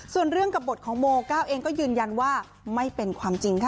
ส่วนเรื่องกับบทของโมก้าวเองก็ยืนยันว่าไม่เป็นความจริงค่ะ